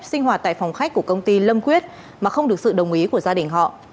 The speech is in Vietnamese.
sinh hoạt tại phòng khách của công ty lâm quyết mà không được sự đồng ý của gia đình họ